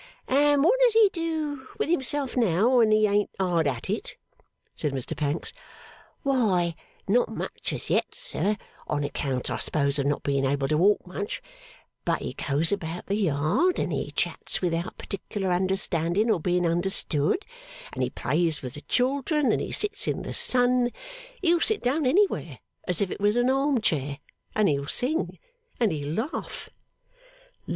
'And what does he do with himself, now, when he ain't hard at it?' said Mr Pancks. 'Why, not much as yet, sir, on accounts I suppose of not being able to walk much; but he goes about the Yard, and he chats without particular understanding or being understood, and he plays with the children, and he sits in the sun he'll sit down anywhere, as if it was an arm chair and he'll sing, and he'll laugh!